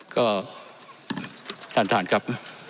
ก็ท่านครับ